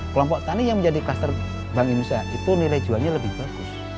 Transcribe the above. kelompok tani yang menjadi kluster bank indonesia itu nilai jualnya lebih bagus